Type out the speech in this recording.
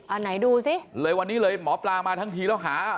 อ่ะไหนดูสิวันนี้เลยหมอปลามาทั้งทีแล้วหา